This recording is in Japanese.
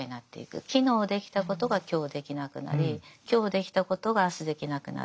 昨日できたことが今日できなくなり今日できたことが明日できなくなる。